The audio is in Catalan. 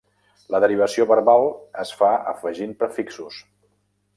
La derivació verbal es fa afegint prefixos.